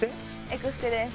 エクステです。